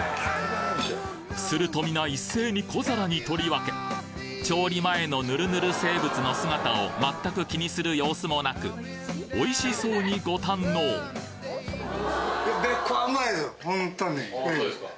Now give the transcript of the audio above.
すると皆一斉に小皿に取り分け調理前のヌルヌル生物の姿をまったく気にする様子もなくおいしそうにご堪能ああそうですか。